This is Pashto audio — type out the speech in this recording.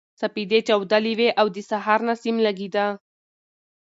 سپېدې چاودلې وې او د سهار نسیم لګېده.